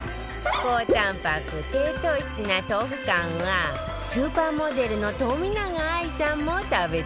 高タンパク低糖質な豆腐干はスーパーモデルの冨永愛さんも食べてたわよね